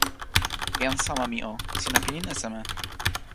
jan sama mi o, sina pilin e seme?